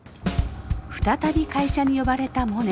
再び会社に呼ばれたモネ。